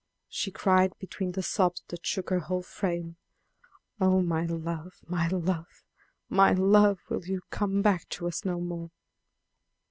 she cried between the sobs that shook her whole frame. "Oh, my love my love my love, will you come back to us no more!"